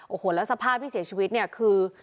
โอ้โหแล้วสภาพพิเศษชีวิตเนี้ยคือ